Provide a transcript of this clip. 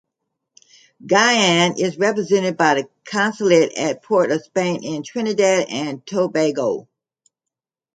Guyana is represented by the consulate at Port of Spain in Trinidad and Tobago.